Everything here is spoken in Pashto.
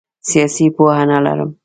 سیاسي پوهه نه لرم.